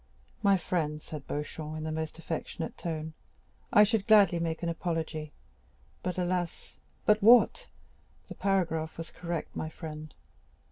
"My friend," said Beauchamp, in the most affectionate tone, "I should gladly make an apology; but, alas!——" "But what?" "The paragraph was correct, my friend."